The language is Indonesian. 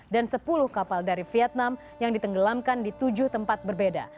dan sepuluh kapal dari vietnam yang ditenggelamkan di tujuh tempat berbeda